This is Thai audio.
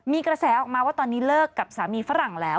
มีกระแสออกมาว่าตอนนี้เลิกกับสามีฝรั่งแล้ว